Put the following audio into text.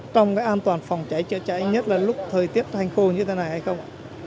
trong cái an toàn phòng cháy chữa cháy nhất là lúc thời tiết hành khô như thế này hay không ạ